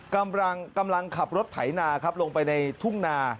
กำลังขับรถไถนาครับลงไปในทุ่งนา